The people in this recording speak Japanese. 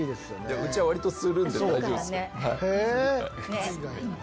うちは割とするんで大丈夫っす。